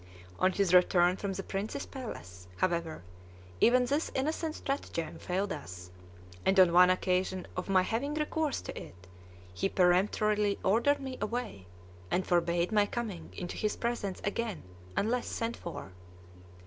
On his return from the prince's palace, however, even this innocent stratagem failed us; and on one occasion of my having recourse to it he peremptorily ordered me away, and forbade my coming into his presence again unless sent for.